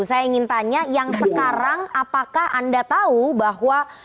saya ingin tanya yang sekarang apakah anda tahu bahwa